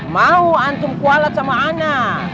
mau antum kualat sama ana